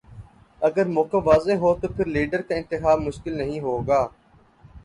اگر موقف واضح ہو تو پھر لیڈر کا انتخاب مشکل نہیں ہو گا۔